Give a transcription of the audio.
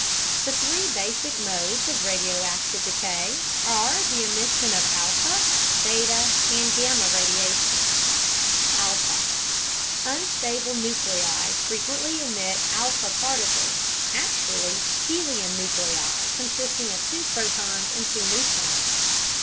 The three basic modes of radioactive decay are the emission of alpha, beta and gamma radiation: Alpha Unstable nuclei frequently emit alpha particles, actually helium nuclei consisting of two protons and two neutrons.